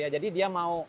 jadi dia mau